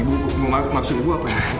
ibu maksud ibu apa